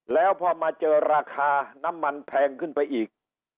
แล้วพอมาเจอราคาน้ำมันแพงขึ้นไปอีก